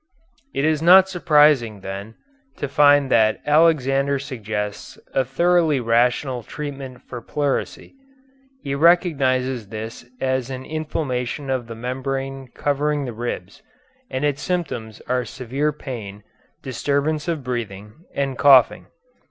It is not surprising, then, to find that Alexander suggests a thoroughly rational treatment for pleurisy. He recognizes this as an inflammation of the membrane covering the ribs, and its symptoms are severe pain, disturbance of breathing, and coughing.